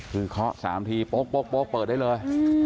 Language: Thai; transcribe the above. คือเคาะ๓ทีโป๊กเปิดได้เลย